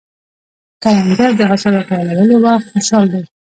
کروندګر د حاصل راټولولو وخت خوشحال دی